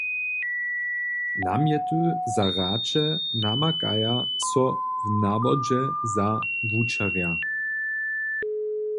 Namjety za hraće namakaja so w nawodźe za wučerja.